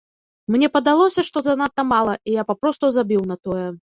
Мне падалося, што занадта мала, і я папросту забіў на тое.